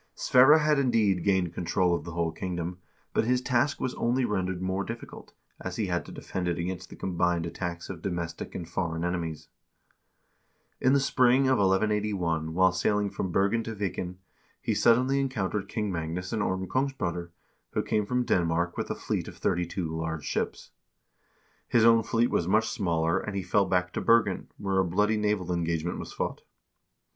Sverre had indeed gained control of the whole kingdom, but his task was only rendered more difficult, as he had to defend it against the combined attacks of domestic and foreign enemies. In the spring of 1181, while sailing from Bergen to Viken, he suddenly encountered King Magnus and Orm Kongsbroder, who came from Denmark, with a fleet of thirty two large ships.1 His own fleet was much smaller, and he fell back to Bergen, where a bloody naval engagement was fought.